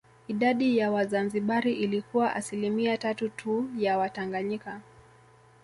Idadi ya Wazanzibari ilikuwa asilimia tatu tu ya Watanganyika